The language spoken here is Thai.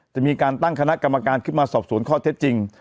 จะมีการตั้งคณะกรรมการขึ้นมาสอบสวนข้อเท็จจริง